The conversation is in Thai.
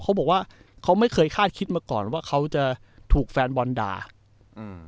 เขาบอกว่าเขาไม่เคยคาดคิดมาก่อนว่าเขาจะถูกแฟนบอลด่าอืม